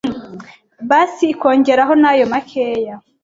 basi ikongeraho n’ayo makeya